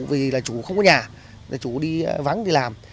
vì là chú không có nhà chú đi vắng đi làm